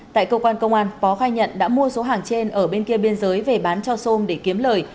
tại cơ quan công an bó khai nhận đã mua số hàng trên ở bên kia biên giới về bán cho sôm để kiếm lời